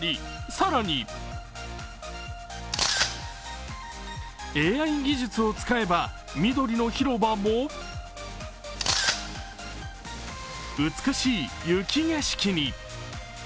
更にＡＩ技術を使えば緑の広場も、美しい雪景色に。